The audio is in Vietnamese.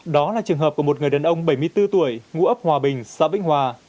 đó là trường hợp của một người đàn ông bảy mươi bốn tuổi ngụ ấp hòa bình xã vĩnh hòa